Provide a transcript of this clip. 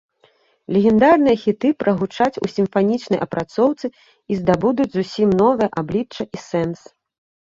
Легендарныя хіты прагучаць у сімфанічнай апрацоўцы і здабудуць зусім новае аблічча і сэнс.